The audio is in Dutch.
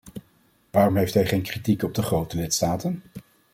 Waarom heeft hij geen kritiek op de grote lidstaten?